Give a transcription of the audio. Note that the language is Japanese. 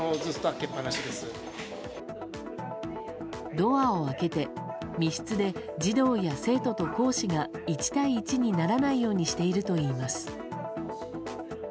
ドアを開けて、密室で児童や生徒と講師が１対１にならないようにしているといいます。